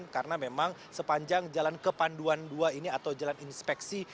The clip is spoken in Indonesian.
karena memang sepanjang jalan ke panduan dua ini atau jalan inspeksi